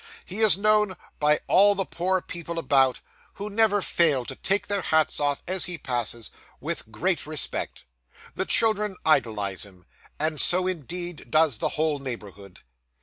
He is known by all the poor people about, who never fail to take their hats off, as he passes, with great respect. The children idolise him, and so indeed does the whole neighbourhood.